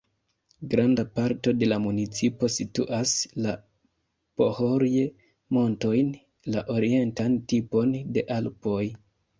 Granda parto de la municipo situas la Pohorje-montojn, la orientan tipon de Alpoj.